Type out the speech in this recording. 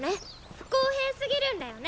不公平すぎるんらよね！